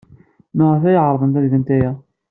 Maɣef ay ɛerḍent ad gent aya?